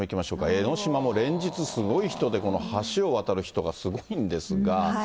江の島も連日、すごい人で、この橋を渡る人がすごいんですが。